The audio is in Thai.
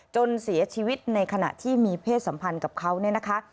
จนเสียชีวิตในขณะที่มีเพศสัมพันธ์กับเขาเนี่ยนะคะ